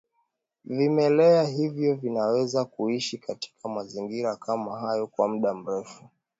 vimelea hivyo vinaweza kuishi katika mazingira kama hayo kwa muda mrefu